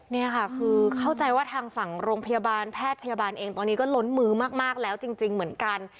นี่ค่ะคือเข้าใจว่าทางฝั่งโรงพยาบาลแพทย์พยาบาลเองตอนนี้ก็ล้นมือมากแล้วจริงเหมือนกัน